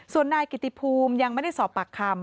ส่วนนายกิติภูมิยังไม่ได้สอบปากคำ